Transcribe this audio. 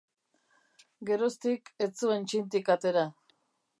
Geroztik, ez zuen txintik atera.